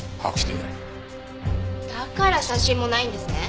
だから写真もないんですね。